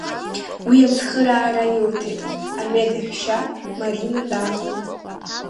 Уи ацхыраара илҭеит амедеҳәшьа Марина Ҭаниа.